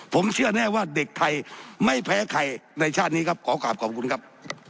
ผมเชื่อแน่ว่าเด็กไทยไม่แพ้ใครในชาตินี้ครับ